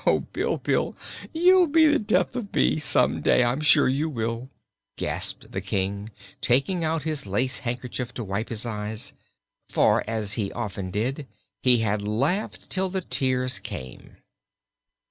"Oh, Bilbil, you'll be the death of me, some day I'm sure you will!" gasped the King, taking out his lace handkerchief to wipe his eyes; for, as he often did, he had laughed till the tears came.